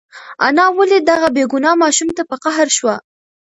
انا ولې دغه بېګناه ماشوم ته په قهر شوه؟